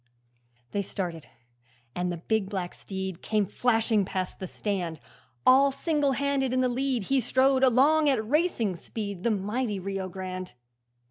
They started, and the big black steed Came flashing past the stand; All single handed in the lead He strode along at racing speed, The mighty Rio Grande.